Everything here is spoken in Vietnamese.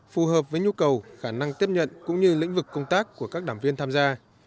phù hợp với nhu cầu khả năng tiếp nhận cũng như lĩnh vực công tác của các đảng viên tham gia